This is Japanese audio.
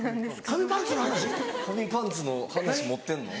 紙パンツの話持ってんの？